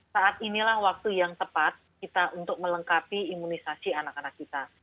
saat inilah waktu yang tepat kita untuk melengkapi imunisasi anak anak kita